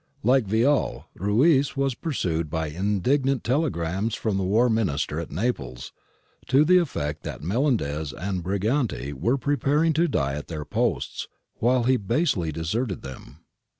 Like Vial, Ruiz was pursued by indignant telegrams from the War Minister at Naples to the effect that Melendez and Briganti were preparing to die at their posts, while he basely deserted them.